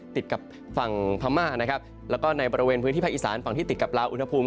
ติดกับฝั่งพม่านะครับแล้วก็ในบริเวณพื้นที่ภาคอีสานฝั่งที่ติดกับลาวอุณหภูมิ